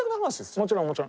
もちろんもちろん。